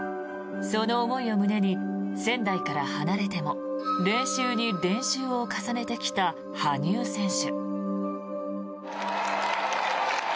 その思いを胸に仙台から離れても練習に練習を重ねてきた羽生選手。